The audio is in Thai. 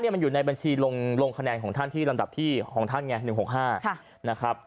มันอยู่ในบัญชีลงคะแนนของท่านที่ลำดับที่ของท่านไง๑๖๕นะครับ